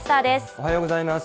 おはようございます。